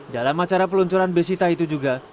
dalam acara peluncuran besita itu juga